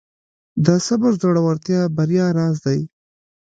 د صبر زړورتیا د بریا راز دی.